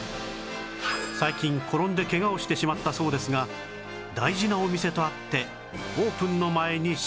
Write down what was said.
最近転んでケガをしてしまったそうですが大事なお店とあってオープンの前に視察